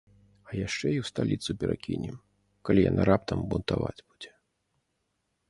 А яшчэ і ў сталіцу перакінем, калі яна раптам бунтаваць будзе.